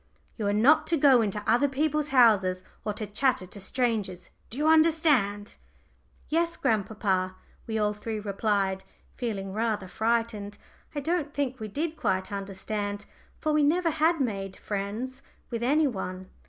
You are not to go into other people's houses or to chatter to strangers. Do you understand?" "Yes, grandpapa," we all three replied, feeling rather frightened. I don't think we did quite understand, for we never had made friends with any one.